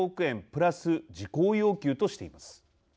プラス事項要求としています。